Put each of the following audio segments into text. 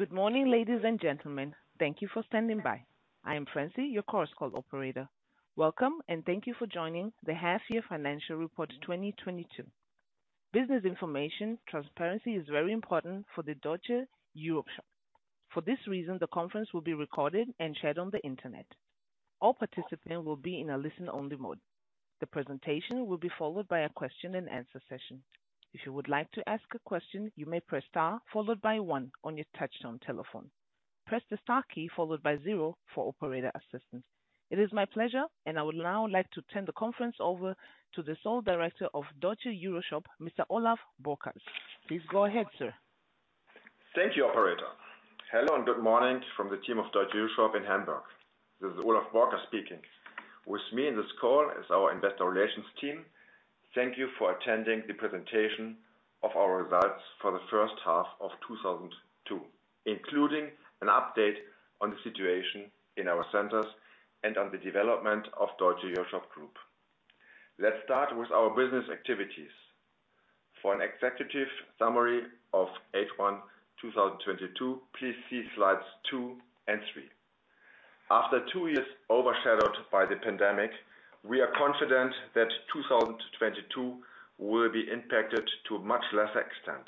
Good morning, ladies and gentlemen. Thank you for standing by. I am Francie, your course call operator. Welcome, and thank you for joining the Half Year Financial Report 2022. Business information transparency is very important for the Deutsche EuroShop. For this reason, the conference will be recorded and shared on the Internet. All participants will be in a listen-only mode. The presentation will be followed by a question-and-answer session. If you would like to ask a question, you may press star followed by one on your touchtone telephone. Press the star key followed by zero for operator assistance. It is my pleasure, and I would now like to turn the conference over to the Sole Director of Deutsche EuroShop, Mr. Olaf Borkers. Please go ahead, sir. Thank you, operator. Hello, and good morning from the team of Deutsche EuroShop in Hamburg. This is Olaf Borkert speaking. With me in this call is our investor relations team. Thank you for attending the presentation of our results for the first half of 2022, including an update on the situation in our centers and on the development of Deutsche EuroShop Group. Let's start with our business activities. For an executive summary of H1 2022, please see slides two and three. After two years overshadowed by the pandemic, we are confident that 2022 will be impacted to a much less extent.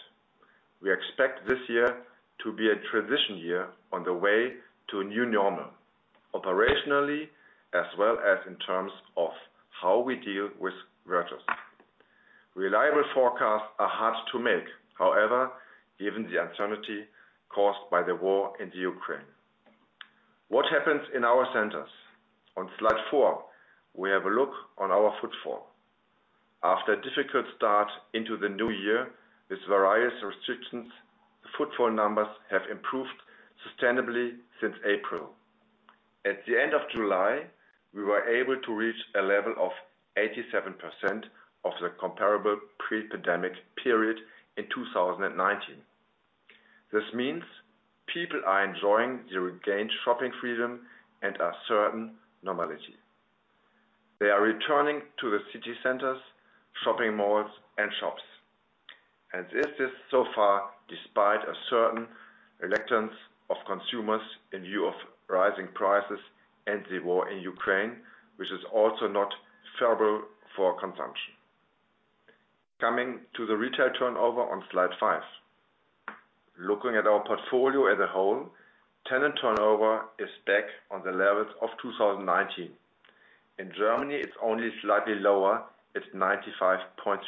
We expect this year to be a transition year on the way to a new normal, operationally, as well as in terms of how we deal with the virus. Reliable forecasts are hard to make, however, given the uncertainty caused by the war in the Ukraine. What happens in our centers? On slide four, we have a look on our footfall. After a difficult start into the new year with various restrictions, the footfall numbers have improved sustainably since April. At the end of July, we were able to reach a level of 87% of the comparable pre-pandemic period in 2019. This means people are enjoying the regained shopping freedom and a certain normality. They are returning to the city centers, shopping malls, and shops. This is so far despite a certain reluctance of consumers in view of rising prices and the war in Ukraine, which is also not favorable for consumption. Coming to the retail turnover on slide five. Looking at our portfolio as a whole, tenant turnover is back on the levels of 2019. In Germany, it's only slightly lower at 95.2%.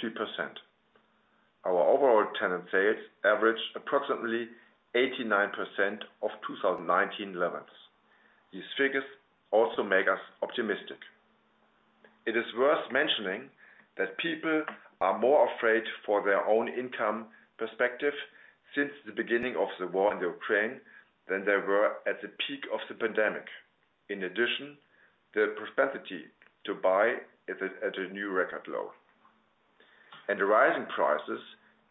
Our overall tenant sales average approximately 89% of 2019 levels. These figures also make us optimistic. It is worth mentioning that people are more afraid for their own income perspective since the beginning of the war in the Ukraine than they were at the peak of the pandemic. In addition, their propensity to buy is at a new record low. The rising prices,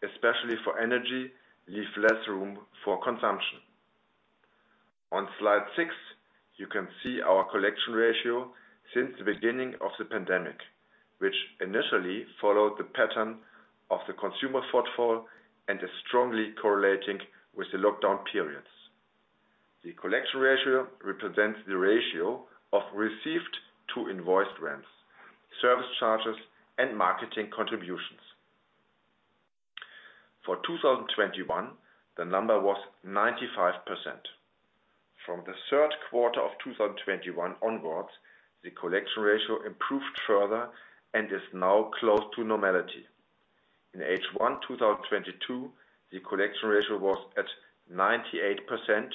especially for energy, leave less room for consumption. On slide six, you can see our collection ratio since the beginning of the pandemic, which initially followed the pattern of the consumer footfall and is strongly correlating with the lockdown periods. The Collection Ratio represents the ratio of received to invoiced rents, service charges, and marketing contributions. For 2021, the number was 95%. From the Q3 of 2021 onwards, the Collection Ratio improved further and is now close to normality. In H1 2022, the Collection Ratio was at 98%,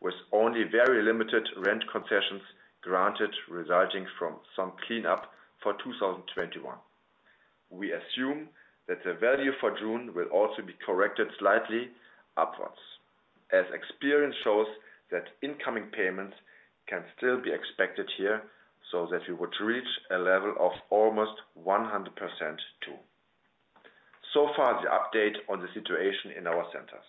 with only very limited rent concessions granted, resulting from some cleanup for 2021. We assume that the value for June will also be corrected slightly upwards, as experience shows that incoming payments can still be expected here, so that we would reach a level of almost 100% too. So far, the update on the situation in our centers.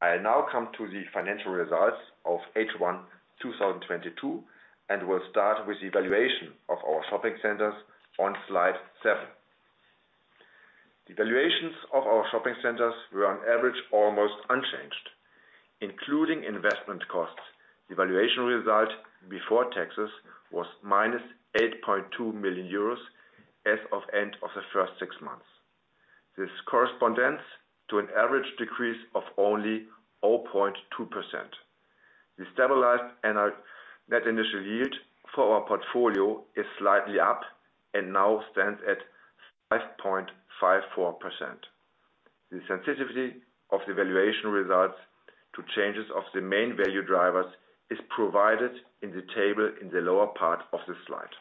I now come to the financial results of H1 2022, and we'll start with the valuation of our shopping centers on slide seven. The valuations of our shopping centers were on average almost unchanged, including investment costs. The valuation result before taxes was -8.2 million euros as of end of the first six months. This corresponds to an average decrease of only 0.2%. The stabilized and our net initial yield for our portfolio is slightly up and now stands at 5.54%. The sensitivity of the valuation results to changes of the main value drivers is provided in the table in the lower part of the slide.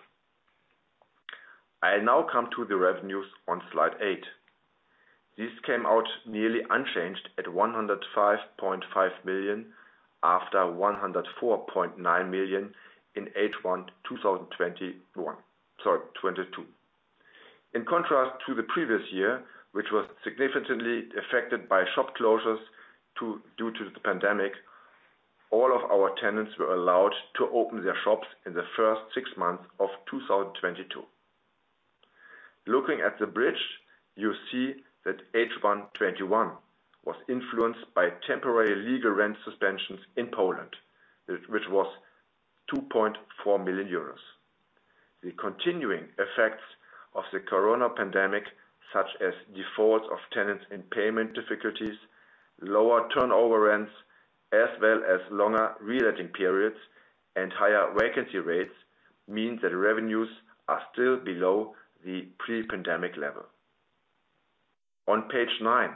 I now come to the revenues on slide eight. This came out nearly unchanged at 105.5 million after 104.9 million in H1 2022. In contrast to the previous year, which was significantly affected by shop closures due to the pandemic, all of our tenants were allowed to open their shops in the first six months of 2022. Looking at the bridge, you see that H1 2021 was influenced by temporary legal rent suspensions in Poland, which was 2.4 million euros. The continuing effects of the corona pandemic, such as defaults of tenants and payment difficulties, lower turnover rents, as well as longer reletting periods and higher vacancy rates, mean that revenues are still below the pre-pandemic level. On page nine,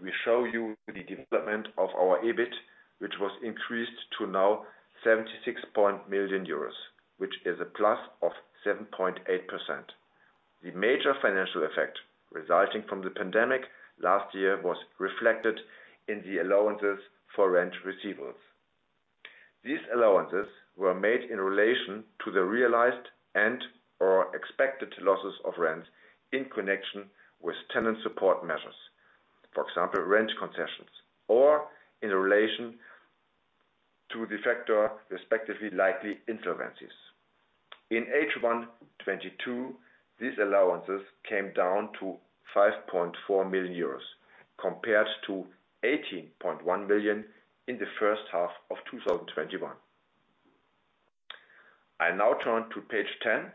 we show you the development of our EBIT, which was increased to 76 million euros, which is a plus of 7.8%. The major financial effect resulting from the pandemic last year was reflected in the allowances for rent receivables. These allowances were made in relation to the realized and/or expected losses of rent in connection with tenant support measures. For example, rent concessions, or in relation to the latter, respectively, likely insolvencies. In H1 2022, these allowances came down to 5.4 million euros compared to 18.1 million in the first half of 2021. I now turn to page 10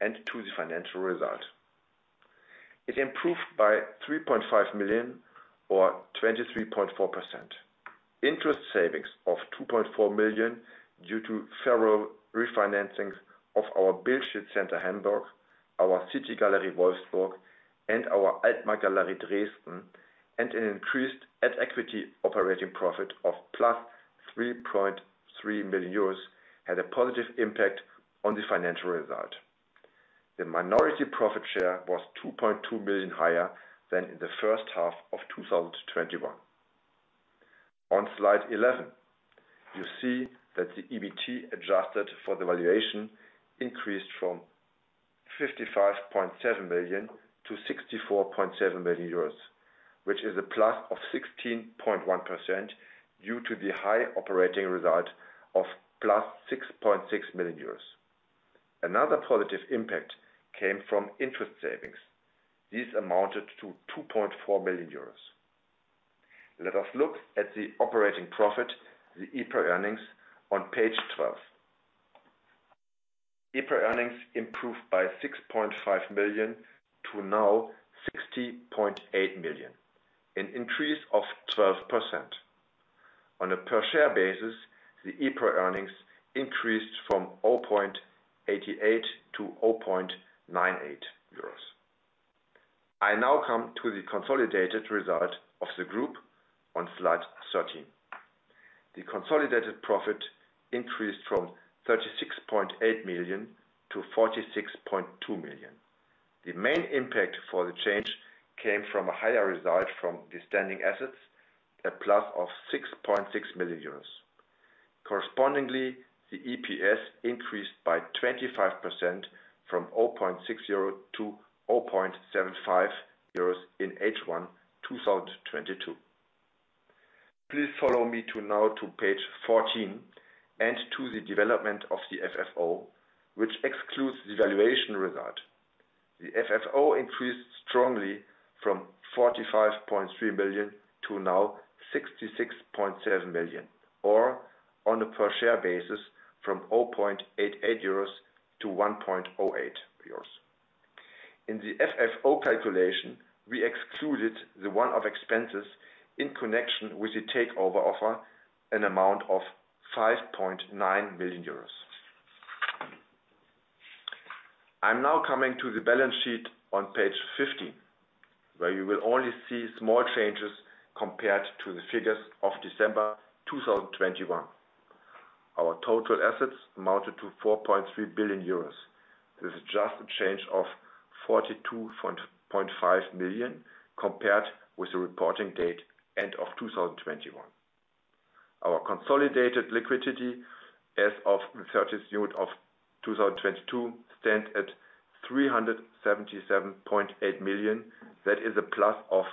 and to the financial result. It improved by 3.5 million or 23.4%. Interest savings of 2.4 million due to thorough refinancings of our Billstedt-Center Hamburg, our City-Galerie Wolfsburg, and our Altmarkt-Galerie Dresden, and an increased at equity operating profit of +3.3 million euros had a positive impact on the financial result. The minority profit share was 2.2 million higher than in the first half of 2021. On slide 11, you see that the EBT, adjusted for the valuation, increased from 55.7 million to 64.7 million euros, which is a plus of 16.1% due to the high operating result of +6.6 million euros. Another positive impact came from interest savings. These amounted to 2.4 million euros. Let us look at the operating profit, the EPRA earnings, on page 12. EPRA earnings improved by 6.5 million to now 60.8 million, an increase of 12%. On a per share basis, the EPRA earnings increased from 0.88 to 0.98 euros. I now come to the consolidated result of the group on slide 13. The consolidated profit increased from 36.8 million to 46.2 million. The main impact for the change came from a higher result from the standing assets, a plus of 6.6 million euros. Correspondingly, the EPS increased by 25% from 0.60 to 0.75 euros in H1 2022. Please follow me to now to page 14 and to the development of the FFO, which excludes the valuation result. The FFO increased strongly from 45.3 million to now 66.7 million, or on a per share basis from 0.88 euros to 1.08 euros. In the FFO calculation, we excluded the one-off expenses in connection with the takeover offer, an amount of 5.9 million euros. I'm now coming to the balance sheet on page 15, where you will only see small changes compared to the figures of December 2021. Our total assets amounted to 4.3 billion euros. This is just a change of 42.5 million compared with the reporting date end of 2021. Our consolidated liquidity as of the 19 June 2022 stands at 377.8 million. That is a plus of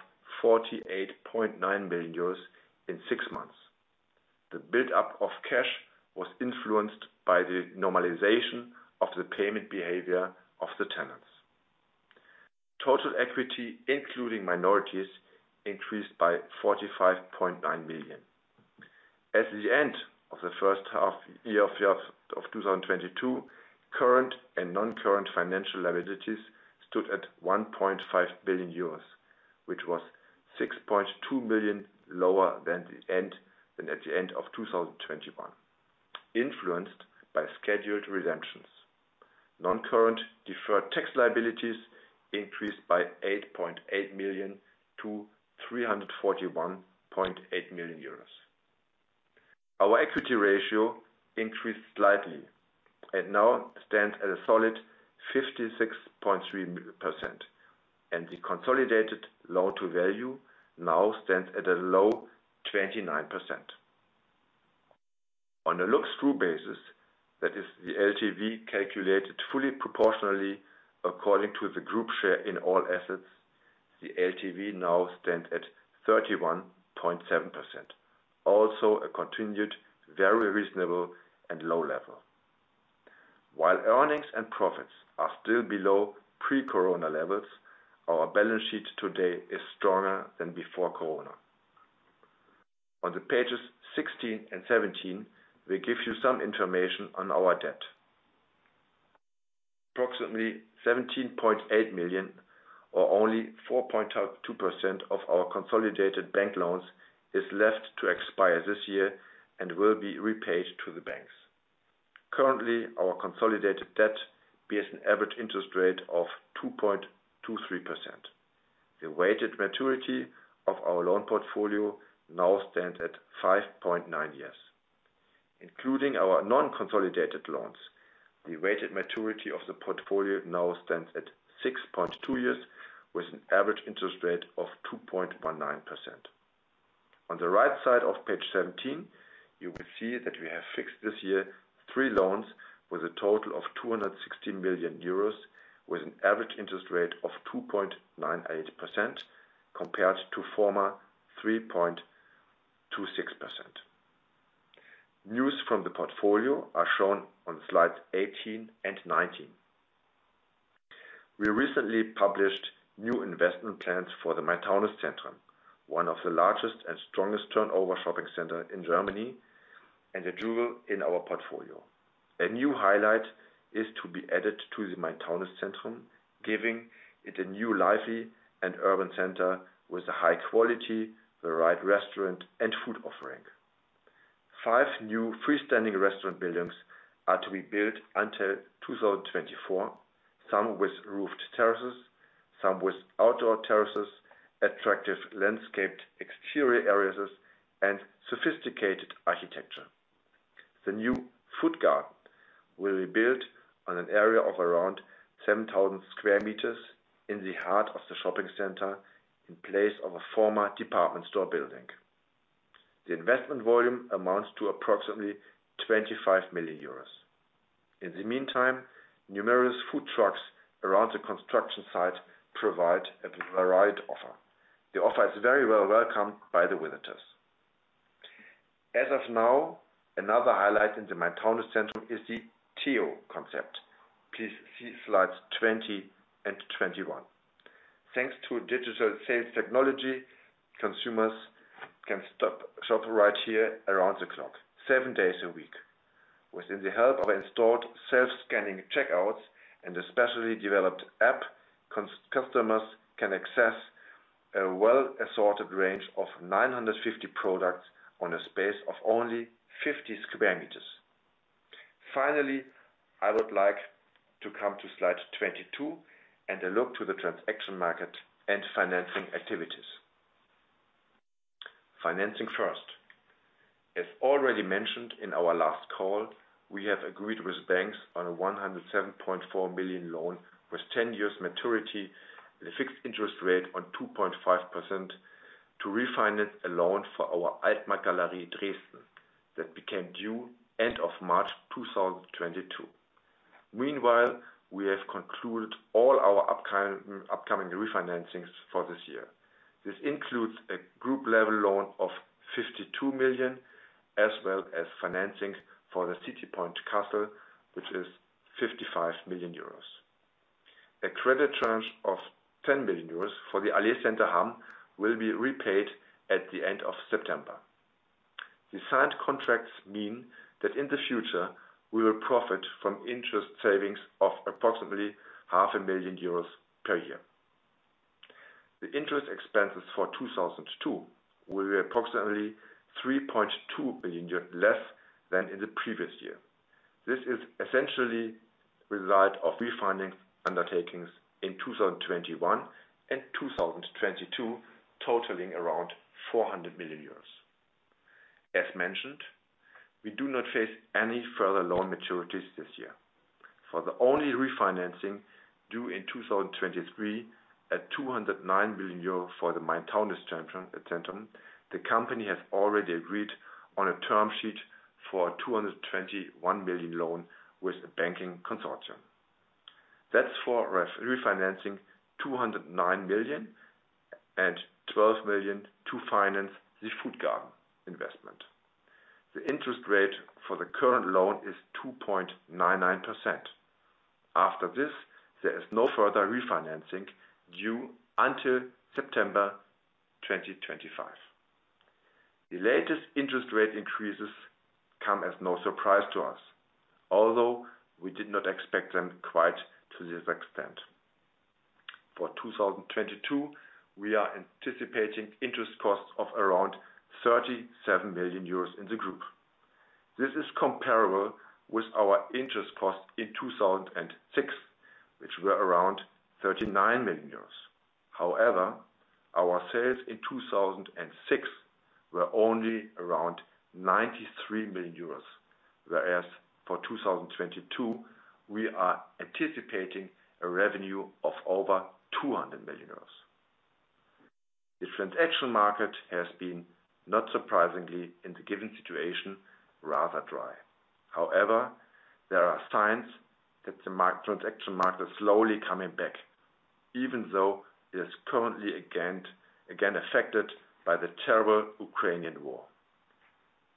48.9 million euros in six months. The buildup of cash was influenced by the normalization of the payment behavior of the tenants. Total equity, including minorities, increased by 45.9 million. At the end of the first half year of 2022, current and non-current financial liabilities stood at 1.5 billion euros, which was 6.2 million lower than at the end of 2021, influenced by scheduled redemptions. Non-current deferred tax liabilities increased by 8.8 million to 341.8 million euros. Our equity ratio increased slightly and now stands at a solid 56.3%, and the consolidated loan to value now stands at a low 29%. On a look-through basis, that is the LTV calculated fully proportionally according to the group share in all assets. The LTV now stands at 31.7%. Also a continued very reasonable and low level. While earnings and profits are still below pre-corona levels, our balance sheet today is stronger than before corona. On pages 16 and 17, we give you some information on our debt. Approximately 17.8 million, or only 4.2% of our consolidated bank loans is left to expire this year and will be repaid to the banks. Currently, our consolidated debt bears an average interest rate of 2.23%. The weighted maturity of our loan portfolio now stands at 5.9 years. Including our non-consolidated loans, the weighted maturity of the portfolio now stands at 6.2 years, with an average interest rate of 2.19%. On the right side of page 17, you will see that we have fixed this year three loans with a total of 260 million euros, with an average interest rate of 2.98% compared to former 3.26%. News from the portfolio are shown on slides 18 and 19. We recently published new investment plans for the Main-Taunus-Zentrum, one of the largest and strongest turnover shopping center in Germany and a jewel in our portfolio. A new highlight is to be added to the Main-Taunus-Zentrum, giving it a new lively and urban center with a high quality, the right restaurant and food offering. Five new freestanding restaurant buildings are to be built until 2024, some with roofed terraces, some with outdoor terraces, attractive landscaped exterior areas, and sophisticated architecture. The new Food Garden will be built on an area of around 7,000 sq m in the heart of the shopping center in place of a former department store building. The investment volume amounts to approximately 25 million euros. In the meantime, numerous food trucks around the construction site provide a varied offer. The offer is very well welcomed by the visitors. As of now, another highlight in the Main-Taunus-Zentrum is the TAIYO concept. Please see slides 20 and 21. Thanks to digital sales technology, consumers can shop right here around the clock, seven days a week. With the help of installed self-scanning checkouts and a specially developed app, customers can access a well-assorted range of 950 products on a space of only 50 square meters. Finally, I would like to come to slide 22 and a look to the transaction market and financing activities. Financing first. As already mentioned in our last call, we have agreed with banks on a 107.4 million loan with 10 years maturity and a fixed interest rate on 2.5% to refinance a loan for our Altmarkt-Galerie Dresden that became due end of March 2022. Meanwhile, we have concluded all our upcoming refinancings for this year. This includes a group level loan of 52 million, as well as financing for the City-Point Kassel, which is 55 million euros. A credit tranche of 10 million euros for the Allee-Center Hamm will be repaid at the end of September. The signed contracts mean that in the future we will profit from interest savings of approximately half a million EUR per year. The interest expenses for 2022 will be approximately 3.2 million less than in the previous year. This is essentially a result of refinancing undertakings in 2021 and 2022, totaling around 400 million euros. As mentioned, we do not face any further loan maturities this year. For the only refinancing due in 2023 at 209 million euro for the Main-Taunus-Zentrum, the company has already agreed on a term sheet for a 221 million loan with a banking consortium. That's for refinancing 209 million and 12 million to finance the Food Garden investment. The interest rate for the current loan is 2.99%. After this, there is no further refinancing due until September 2025. The latest interest rate increases come as no surprise to us, although we did not expect them quite to this extent. For 2022, we are anticipating interest costs of around 37 million euros in the group. This is comparable with our interest costs in 2006, which were around 39 million euros. However, our sales in 2006 were only around 93 million euros, whereas for 2022, we are anticipating a revenue of over 200 million euros. The transaction market has been not surprisingly in the given situation, rather dry. However, there are signs that the transaction market is slowly coming back, even though it is currently again affected by the terrible Ukrainian war.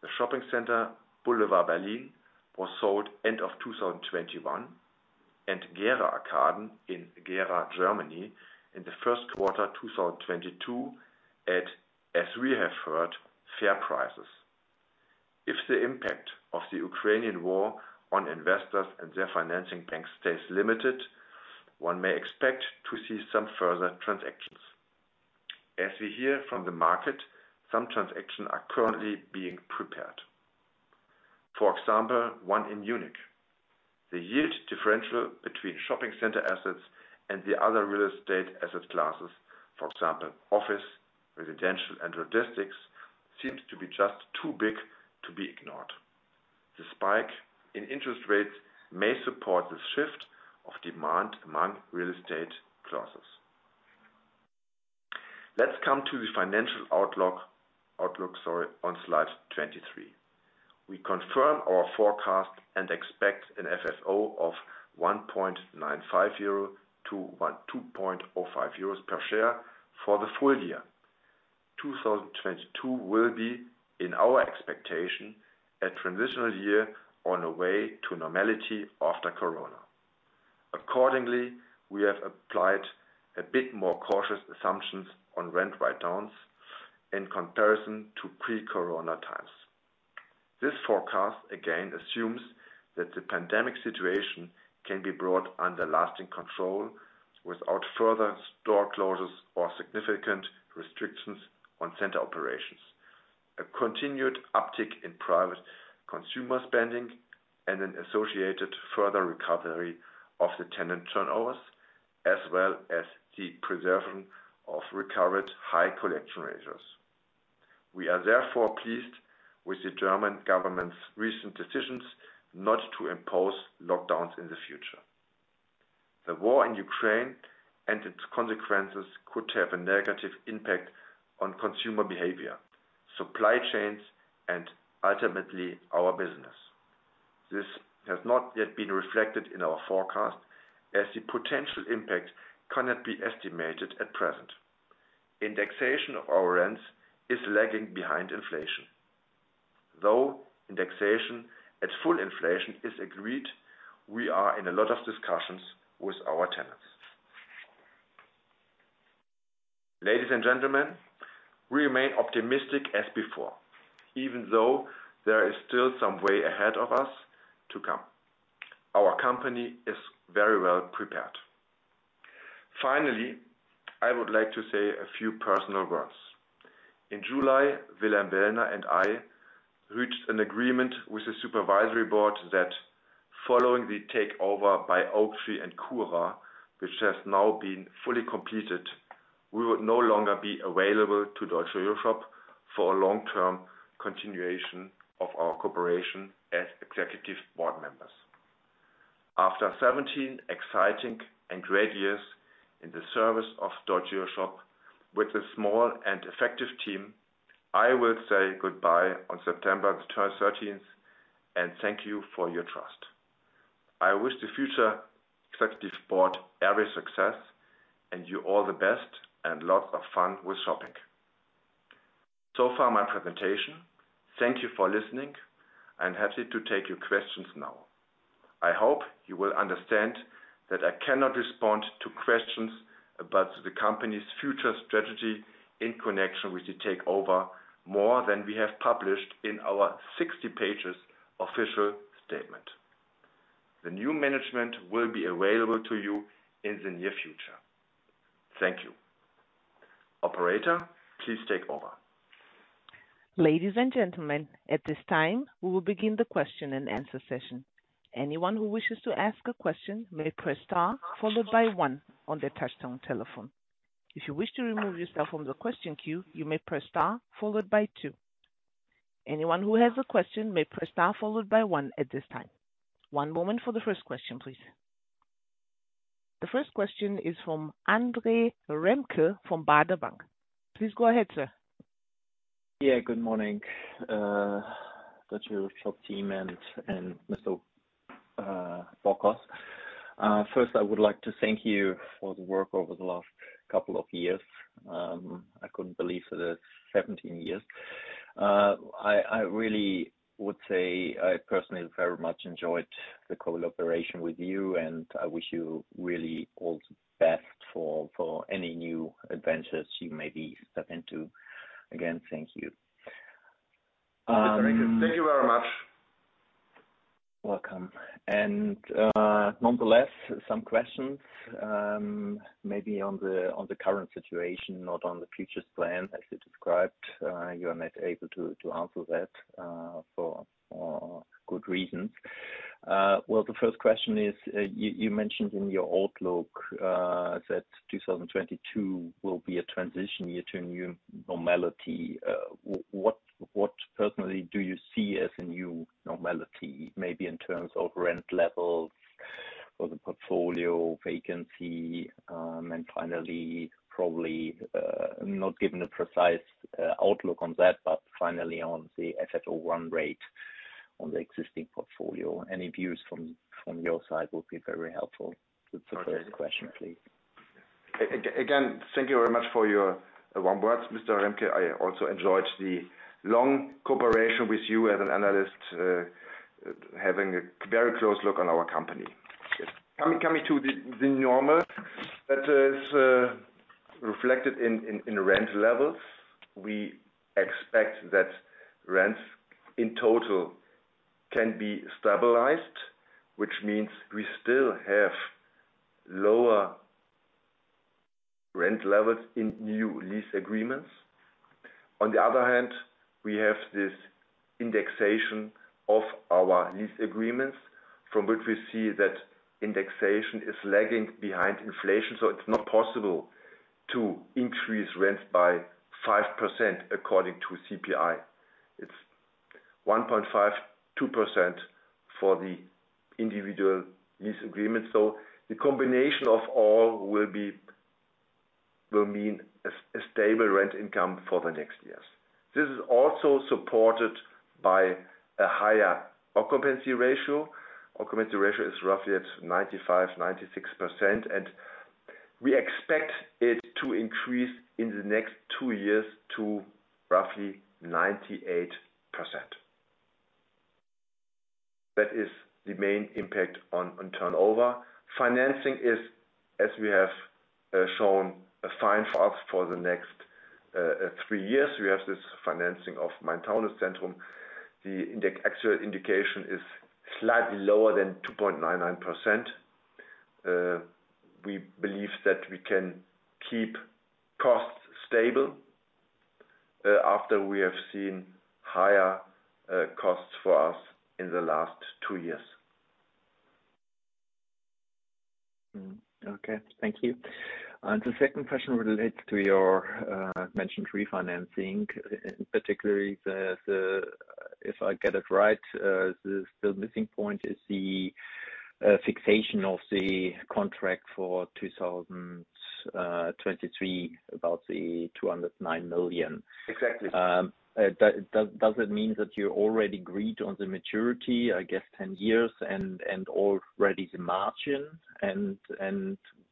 The shopping center Boulevard Berlin was sold end of 2021, and Gera Arcaden in Gera, Germany in the Q1 2022 at, as we have heard, fair prices. If the impact of the Ukrainian war on investors and their financing bank stays limited, one may expect to see some further transactions. As we hear from the market, some transactions are currently being prepared. For example, one in Munich. The yield differential between shopping center assets and the other real estate asset classes, for example office, residential, and logistics, seems to be just too big to be ignored. The spike in interest rates may support the shift of demand among real estate classes. Let's come to the financial outlook, sorry, on slide 23. We confirm our forecast and expect an FFO of 1.95 euro to 2.05 euros per share for the full year. 2022 will be, in our expectation, a transitional year on the way to normality after corona. Accordingly, we have applied a bit more cautious assumptions on rent write-downs in comparison to pre-corona times. This forecast again assumes that the pandemic situation can be brought under lasting control without further store closures or significant restrictions on center operations. A continued uptick in private consumer spending and an associated further recovery of the tenant turnovers, as well as the preservation of recovered high collection ratios. We are therefore pleased with the German government's recent decisions not to impose lockdowns in the future. The war in Ukraine and its consequences could have a negative impact on consumer behavior, supply chains, and ultimately our business. This has not yet been reflected in our forecast, as the potential impact cannot be estimated at present. Indexation of our rents is lagging behind inflation. Though indexation at full inflation is agreed, we are in a lot of discussions with our tenants. Ladies and gentlemen, we remain optimistic as before, even though there is still some way ahead of us to come. Our company is very well prepared. Finally, I would like to say a few personal words. In July, Wilhelm Wellner and I reached an agreement with the supervisory board that following the takeover by Oaktree and CURA, which has now been fully completed, we will no longer be available to Deutsche EuroShop for a long-term continuation of our cooperation as executive board members. After 17 exciting and great years in the service of Deutsche EuroShop with a small and effective team, I will say goodbye on 13 September 2022, and thank you for your trust. I wish the future executive board every success and you all the best and lots of fun with shopping. So far my presentation. Thank you for listening. I'm happy to take your questions now. I hope you will understand that I cannot respond to questions about the company's future strategy in connection with the takeover more than we have published in our 60-page official statement. The new management will be available to you in the near future. Thank you. Operator, please take over. Ladies and gentlemen, at this time, we will begin the question and answer session. Anyone who wishes to ask a question may press star followed by one on their touchtone telephone. If you wish to remove yourself from the question queue, you may press star followed by two. Anyone who has a question may press star followed by one at this time. One moment for the first question, please. The first question is from Andre Remke from Baader Bank. Please go ahead, sir. Yeah, good morning, Deutsche EuroShop team and Mr. Borkers. First, I would like to thank you for the work over the last couple of years. I couldn't believe that it was 17 years. I really would say I personally very much enjoyed the collaboration with you, and I wish you really all the best for any new adventures you may be stepping into. Again, thank you. Thank you very much. Welcome. Nonetheless, some questions, maybe on the current situation, not on the future plans, as you described. You are not able to answer that, for good reasons. The first question is, you mentioned in your outlook, that 2022 will be a transition year to a new normality. What personally do you see as a new normality, maybe in terms of rent levels? For the portfolio vacancy. And finally, probably, not given a precise outlook on that, but finally, on the FFO run rate on the existing portfolio. Any views from your side will be very helpful. That's the first question, please. Again, thank you very much for your warm words, Mr. Remke. I also enjoyed the long cooperation with you as an analyst, having a very close look on our company. Coming to the normal that is reflected in rent levels. We expect that rents in total can be stabilized, which means we still have lower rent levels in new lease agreements. On the other hand, we have this indexation of our lease agreements from which we see that indexation is lagging behind inflation, so it's not possible to increase rents by 5% according to CPI. It's 1.5%, 2% for the individual lease agreement. The combination of all will mean a stable rent income for the next years. This is also supported by a higher occupancy ratio. Occupancy ratio is roughly at 95%-96%, and we expect it to increase in the next two years to roughly 98%. That is the main impact on turnover. Financing is, as we have shown, fine for us for the next three years. We have this financing of Main-Taunus-Zentrum. The index actual indication is slightly lower than 2.99%. We believe that we can keep costs stable after we have seen higher costs for us in the last two years. Okay. Thank you. The second question relates to you mentioned refinancing, particularly, if I get it right, the missing point is the fixation of the contract for 2023, about the 209 million. Exactly. Does it mean that you already agreed on the maturity, I guess 10 years and already the margin?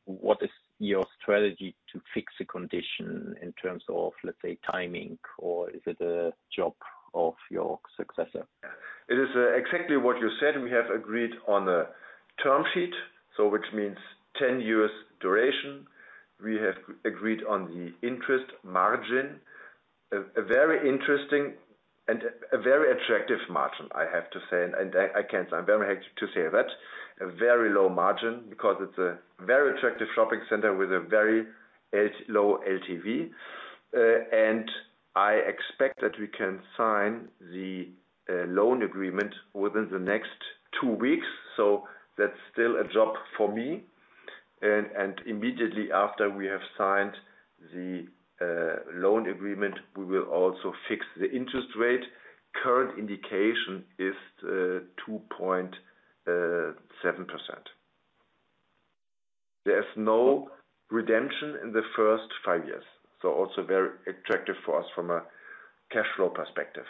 What is your strategy to fix the condition in terms of, let's say, timing, or is it a job of your successor? It is exactly what you said. We have agreed on a term sheet, which means 10 years duration. We have agreed on the interest margin. A very interesting and very attractive margin, I have to say. I'm very happy to say that. A very low margin because it is a very attractive shopping center with a very low LTV. I expect that we can sign the loan agreement within the next two weeks. That is still a job for me. Immediately after we have signed the loan agreement, we will also fix the interest rate. Current indication is 2.7%. There is no redemption in the first five years, so also very attractive for us from a cash flow perspective.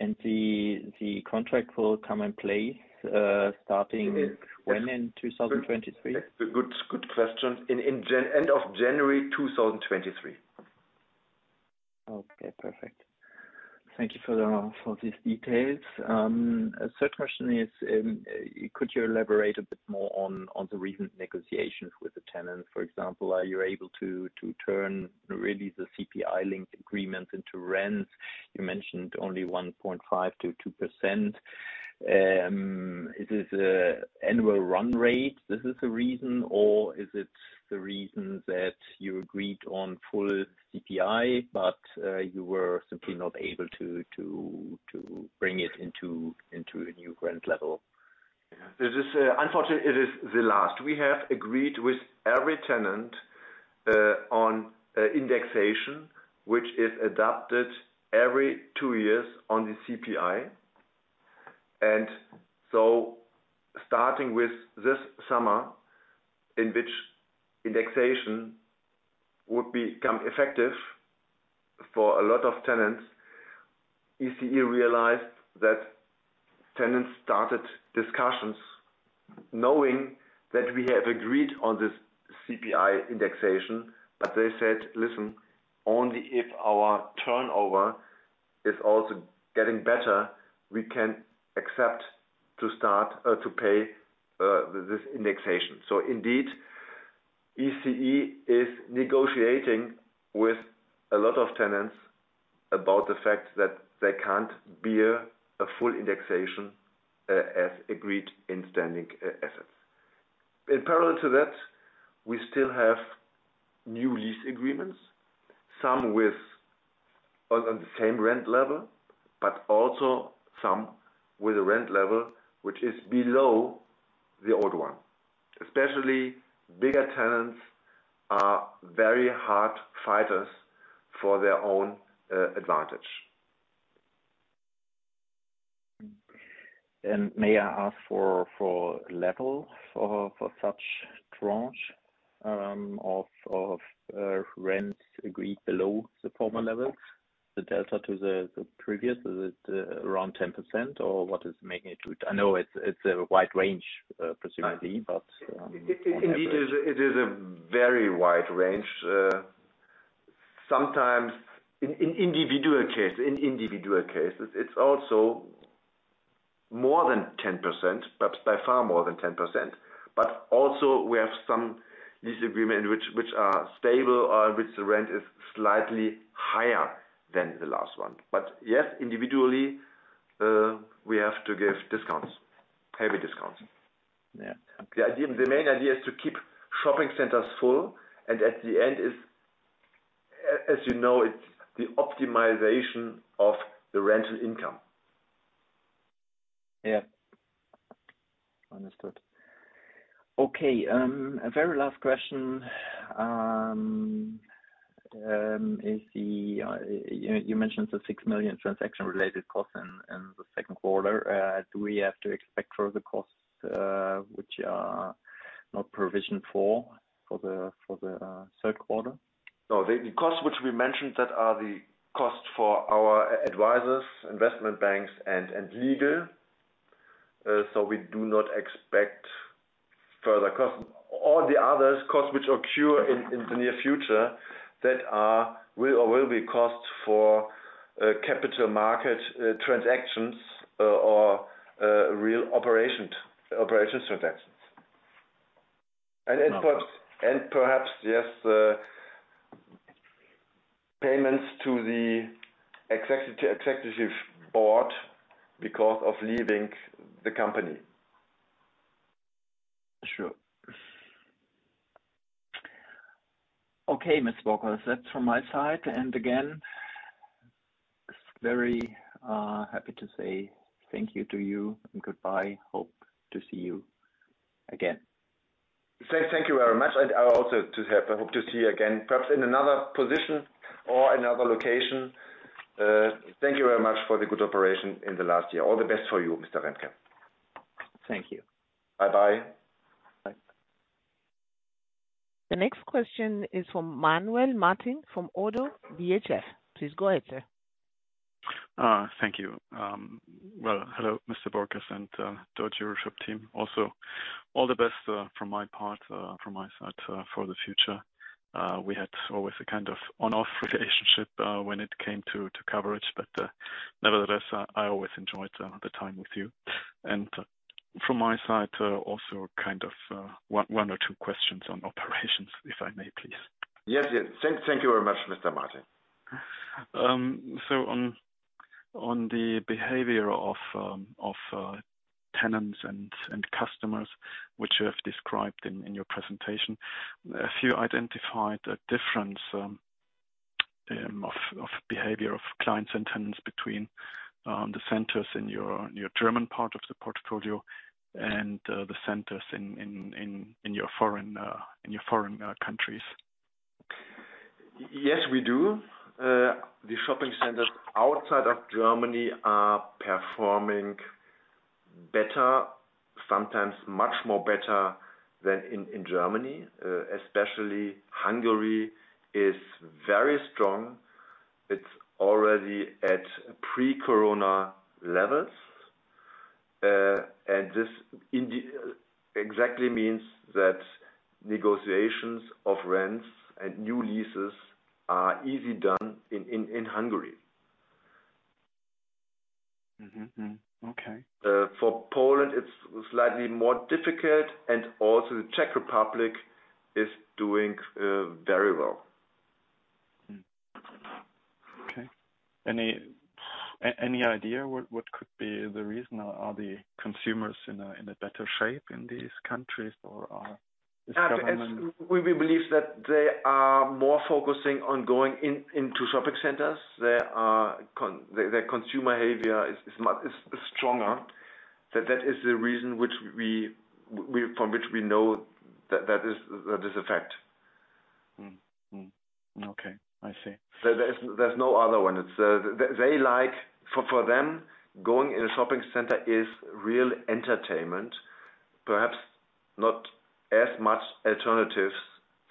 The contract will come in place starting when in 2023? Good question. End of January 2023. Okay, perfect. Thank you for these details. A third question is, could you elaborate a bit more on the recent negotiations with the tenant? For example, are you able to turn really the CPI-linked agreements into rents? You mentioned only 1.5%-2%. Is this annual run rate? Is it the reason that you agreed on full CPI, but you were simply not able to bring it into a new rent level? Yeah. This is unfortunately it is the last. We have agreed with every tenant on indexation, which is adapted every two years on the CPI. Starting with this summer, in which indexation would become effective for a lot of tenants, ECE realized that tenants started discussions knowing that we have agreed on this CPI indexation. They said, "Listen, only if our turnover is also getting better, we can accept to start to pay this indexation." Indeed, ECE is negotiating with a lot of tenants about the fact that they can't bear a full indexation as agreed in standing assets. In parallel to that, we still have new lease agreements, some with on the same rent level, but also some with a rent level which is below the old one. Especially bigger tenants are very hard fighters for their own advantage. May I ask for the level of such tranche of rents agreed below the former levels? The delta to the previous, is it around 10%, or what is it? I know it's a wide range, presumably, but on average. It is a very wide range. Sometimes in individual cases, it's also more than 10%, perhaps by far more than 10%. Also we have some lease agreement which are stable or which the rent is slightly higher than the last one. Yes, individually, we have to give discounts, heavy discounts. Yeah. The idea, the main idea is to keep shopping centers full, and at the end is, as you know, it's the optimization of the rental income. Yeah. Understood. Okay, a very last question, is the you mentioned the 6 million transaction-related costs in the Q2. Do we have to expect further costs, which are not provisioned for the Q3? No. The costs which we mentioned that are the costs for our advisors, investment banks and legal. We do not expect further costs. All the other costs which occur in the near future that are or will be costs for capital market transactions or real operations transactions and payments to the Executive Board because of leaving the company. Sure. Okay, Mr. Borkers, that's from my side. Again, very happy to say thank you to you and goodbye. Hope to see you again. Thank you very much. I also just have, I hope to see you again, perhaps in another position or another location. Thank you very much for the good operation in the last year. All the best for you, Mr. Remke. Thank you. Bye-bye. Bye. The next question is from Manuel Martin from ODDO BHF. Please go ahead, sir. Thank you. Well, hello, Mr. Borkers and Deutsche EuroShop team. Also, all the best from my part, from my side, for the future. We had always a kind of on/off relationship when it came to coverage. But nevertheless, I always enjoyed the time with you. From my side also kind of one or two questions on operations, if I may, please. Yes. Thank you very much, Mr. Martin. On the behavior of tenants and customers which you have described in your presentation. If you identified a difference of behavior of clients and tenants between the centers in your German part of the portfolio and the centers in your foreign countries. Yes, we do. The shopping centers outside of Germany are performing better, sometimes much more better than in Germany. Especially Hungary is very strong. It's already at pre-corona levels. This exactly means that negotiations of rents and new leases are easily done in Hungary. Mm-hmm. Mm. Okay. For Poland, it's slightly more difficult, and also the Czech Republic is doing very well. Okay. Any idea what could be the reason? Are the consumers in a better shape in these countries or are this government? We believe that they are more focusing on going into shopping centers. Their consumer behavior is stronger. That is the reason from which we know that that is a fact. Okay. I see. There's no other one. It's they like. For them, going in a shopping center is real entertainment. Perhaps not as much alternatives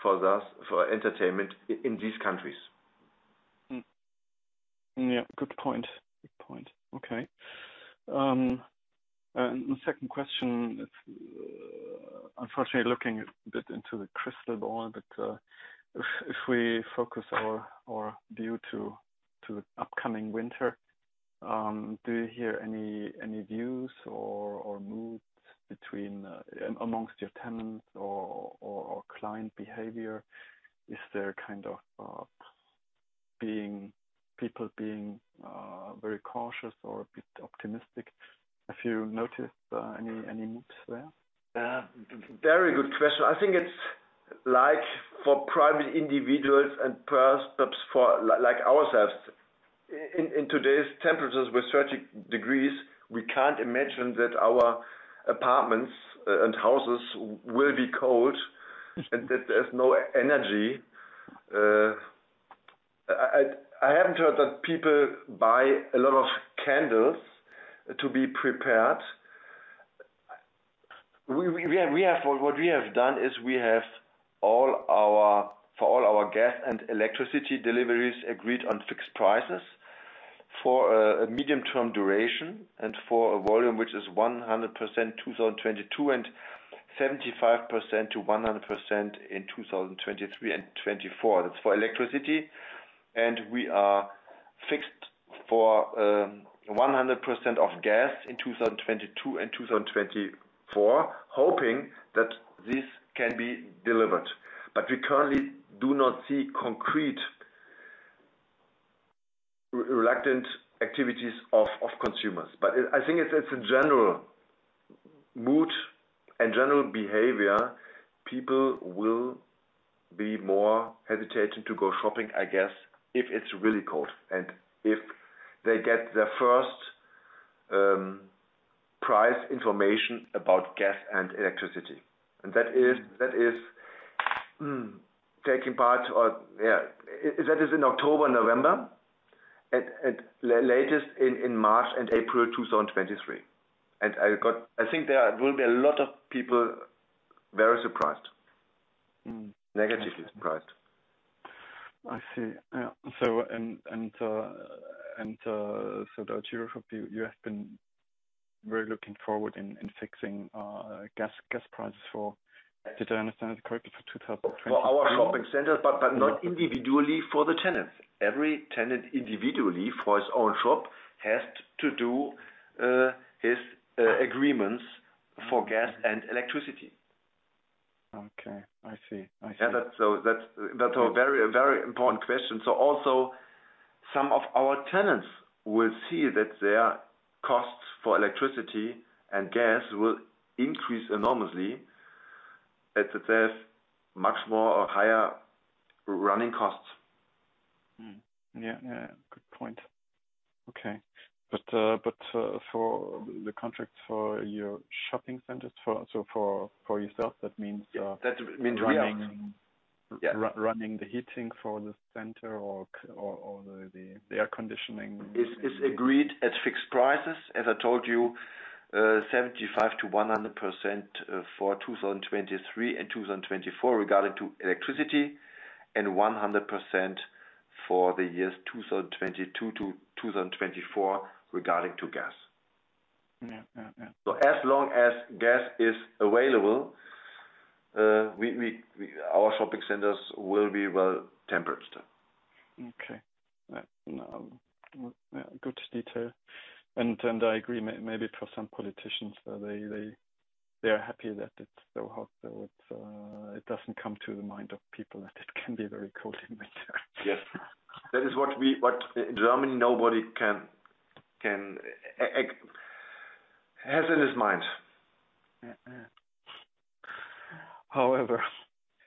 for this, for entertainment in these countries. Yeah. Good point. Okay. The second question, it's unfortunately looking a bit into the crystal ball, but if we focus our view to upcoming winter, do you hear any views or moods among your tenants or client behavior? Is there kind of people being very cautious or a bit optimistic? If you notice any moods there? Yeah. Very good question. I think it's like for private individuals and perhaps for like ourselves. In today's temperatures with 30 degrees Celsius, we can't imagine that our apartments and houses will be cold and that there's no energy. I haven't heard that people buy a lot of candles to be prepared. What we have done is we have all our for all our gas and electricity deliveries agreed on fixed prices for a medium-term duration and for a volume which is 100% 2022, and 75%-100% in 2023 and 2024. That's for electricity. We are fixed for 100% of gas in 2022 and 2024, hoping that this can be delivered. We currently do not see concrete reluctant activities of consumers. I think it's a general mood and general behavior. People will be more hesitant to go shopping, I guess, if it's really cold and if they get their first price information about gas and electricity. That is in October, November, at latest in March and April 2023. I think there will be a lot of people very surprised. Mm. Negatively surprised. I see. Yeah. The ECE Group, you have been very looking forward in fixing gas prices for 2023? Did I understand that correctly? For our shopping centers, but not individually for the tenants. Every tenant individually for his own shop has to do his agreements for gas and electricity. Okay. I see. I see. That's a very important question. Also some of our tenants will see that their costs for electricity and gas will increase enormously, as it has much more or higher running costs. Good point. Okay. For the contracts for your shopping centers, for yourself, that means. Yeah. That means we are. -running- Yeah. Running the heating for the center or the air conditioning. It is agreed at fixed prices. As I told you, 75%-100% for 2023 and 2024 regarding electricity, and 100% for the years 2022-2024 regarding gas. Yeah. Yeah. Yeah. As long as gas is available, we our shopping centers will be well-tempered. Okay. Yeah. No. Yeah. Good detail. I agree maybe for some politicians, they are happy that it's so hot, so it doesn't come to the mind of people that it can be very cold in winter. Yes. What in Germany nobody can expect has in his mind. Yeah. Yeah. However.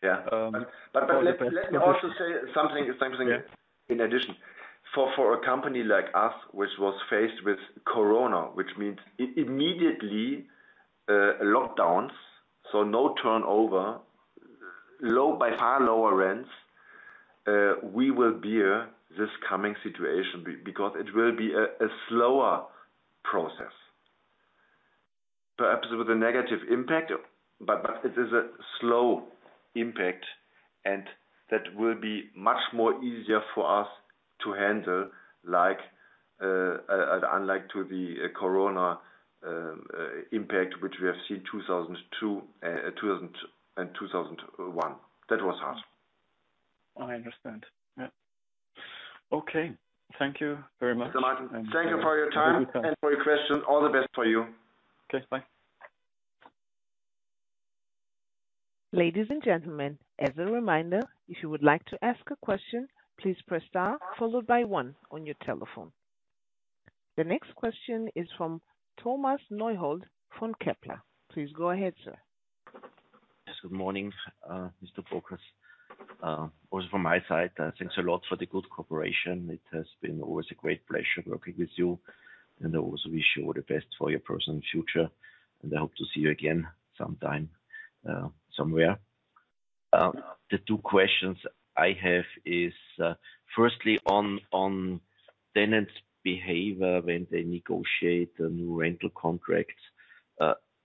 Yeah. Um- Let me also say something. Yeah. In addition. For a company like us, which was faced with corona, which means immediately, lockdowns, so no turnover, by far lower rents, we will bear this coming situation because it will be a slower process. Perhaps with a negative impact, but it is a slow impact and that will be much more easier for us to handle like, unlike to the corona impact, which we have seen 2020, and 2021. That was hard. I understand. Yeah. Okay. Thank you very much. Martin, thank you for your time. You're welcome. For your question. All the best for you. Okay, bye. Ladies and gentlemen, as a reminder, if you would like to ask a question, please press star followed by one on your telephone. The next question is from Thomas Neuhold from Kepler. Please go ahead, sir. Yes. Good morning, Mr. Borkers. Also from my side, thanks a lot for the good cooperation. It has been always a great pleasure working with you, and I also wish you all the best for your personal future. I hope to see you again sometime, somewhere. The two questions I have is, firstly on tenants' behavior when they negotiate the new rental contracts.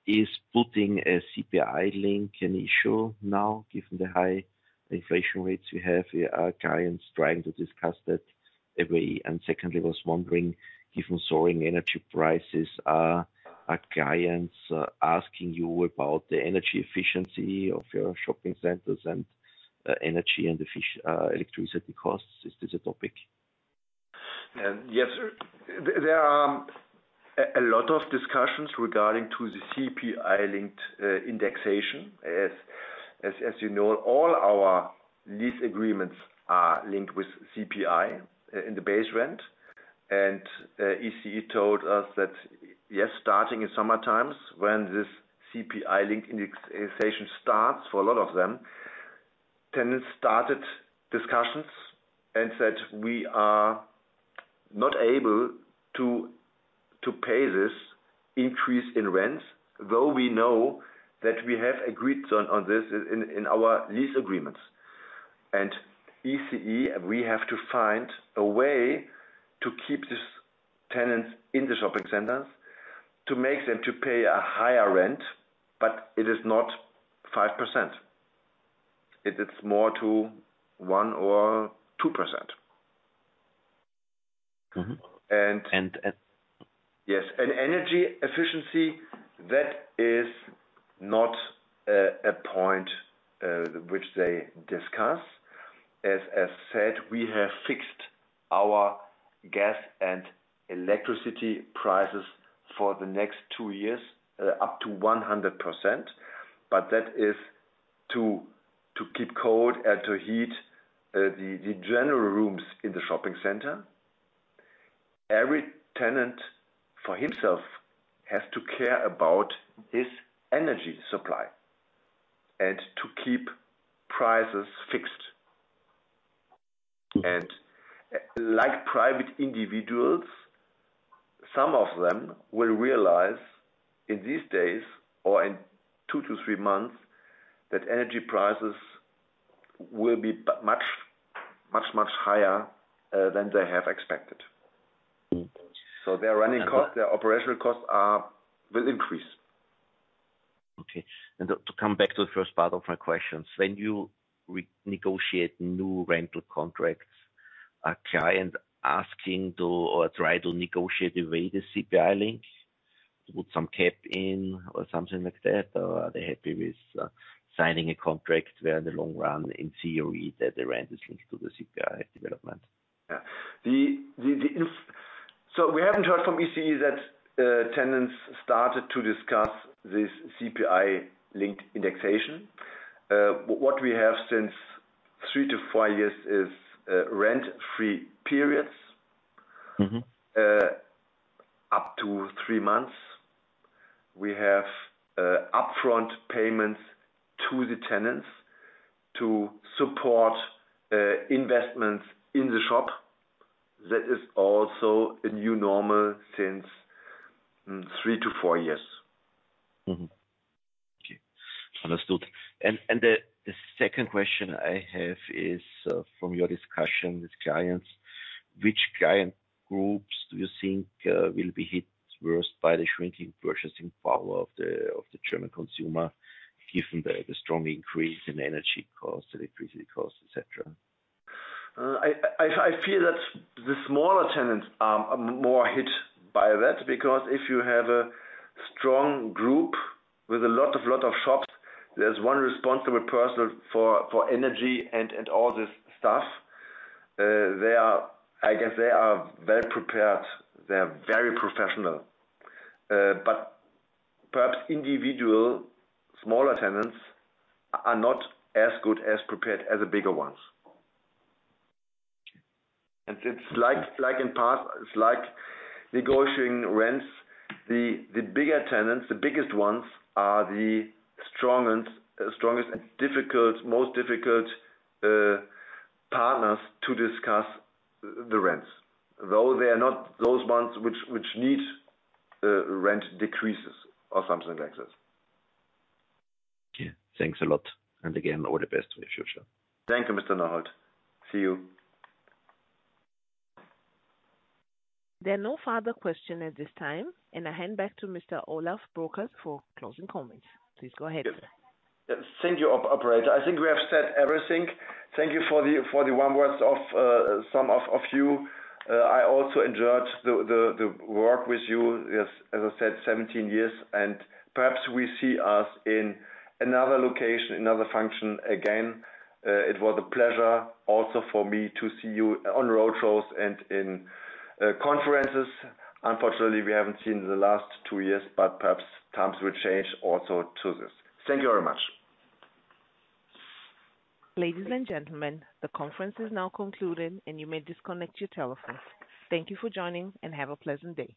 Is putting a CPI link an issue now, given the high inflation rates you have? Your clients trying to discuss that. Secondly, I was wondering, given soaring energy prices, are clients asking you about the energy efficiency of your shopping centers and electricity costs? Is this a topic? Yes. There are a lot of discussions regarding to the CPI-linked indexation. As you know, all our lease agreements are linked with CPI in the base rent. ECE told us that, yes, starting in summertime, when this CPI-linked indexation starts for a lot of them, tenants started discussions and said, "We are not able to pay this increase in rent, though we know that we have agreed on this in our lease agreements." ECE, we have to find a way to keep these tenants in the shopping centers to make them pay a higher rent, but it is not 5%. It is more to 1% or 2%. Mm-hmm. And- And, and- Yes. Energy efficiency, that is not a point which they discuss. As said, we have fixed our gas and electricity prices for the next two years, up to 100%, but that is to cool and to heat the general rooms in the shopping center. Every tenant for himself has to care about his energy supply and to keep prices fixed. Okay. Like private individuals, some of them will realize in these days or in 2 months-3 months that energy prices will be much, much, much higher than they have expected. Mm-hmm. Their running cost, their operational costs will increase. Okay. To come back to the first part of my questions. When you renegotiate new rental contracts, are clients asking to or try to negotiate away the CPI link, to put some cap in or something like that? Are they happy with signing a contract where in the long run, in theory, that the rent is linked to the CPI development? We haven't heard from ECE that tenants started to discuss this CPI-linked indexation. What we have since 3 years-5 years is rent-free periods. Mm-hmm. Up to three months. We have upfront payments to the tenants to support investments in the shop. That is also a new normal since three to four years. Mm-hmm. Okay. Understood. The second question I have is, from your discussion with clients, which client groups do you think will be hit worst by the shrinking purchasing power of the German consumer, given the strong increase in energy costs, electricity costs, et cetera? I feel that the smaller tenants are more hit by that, because if you have a strong group with a lot of shops, there's one responsible person for energy and all this stuff. I guess they are very prepared. They're very professional. But perhaps individual smaller tenants are not as well prepared as the bigger ones. It's like in the past, it's like negotiating rents. The bigger tenants, the biggest ones are the strong and strongest and difficult, most difficult partners to discuss the rents, though they are not those ones which need rent decreases or something like this. Okay. Thanks a lot, and again, all the best for your future. Thank you, Mr. Neuhold. See you. There are no further questions at this time, and I hand back to Mr. Olaf Borkers for closing comments. Please go ahead. Yeah. Thank you, operator. I think we have said everything. Thank you for the warm words of some of you. I also enjoyed the work with you. As I said, 17 years, and perhaps we see us in another location, another function again. It was a pleasure also for me to see you on road shows and in conferences. Unfortunately, we haven't seen the last two years, but perhaps times will change also to this. Thank you very much. Ladies and gentlemen, the conference is now concluded, and you may disconnect your telephones. Thank you for joining, and have a pleasant day.